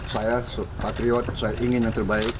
saya patriot saya ingin yang terbaik